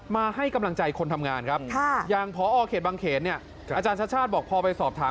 มาให้กำลังใจคนทำงานครับอย่างพอเขตบางเขนเนี่ยอาจารย์ชาติชาติบอกพอไปสอบถาม